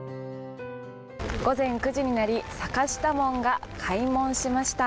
午前９時になり、坂下門が開門しました。